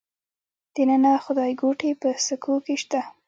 د ننه خدایګوټې په سکو کې شته